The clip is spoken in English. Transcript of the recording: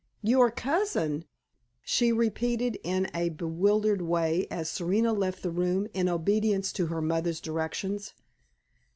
"Your cousin?" she repeated, in a bewildered way, as Serena left the room, in obedience to her mother's directions.